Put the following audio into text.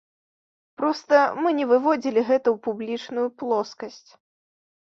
Проста мы не выводзілі гэта ў публічную плоскасць.